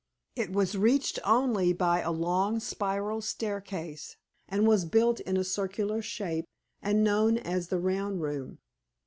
It was reached by a long spiral staircase, and was built in a circular shape, and known as the "round room."